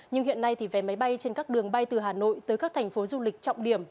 nhưng hiện nay thì vé máy bay trên các đường bay từ hà nội tới các thành phố du lịch trọng điểm